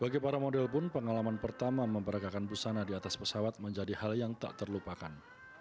bagi para model pun pengalaman pertama memperagakan busana di atas pesawat menjadi hal yang tak terlupakan